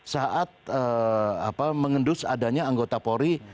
saat mengendus adanya anggota polri